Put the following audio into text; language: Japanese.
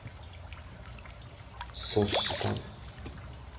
っそしっさん。